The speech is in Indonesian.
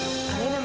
ya yang jelas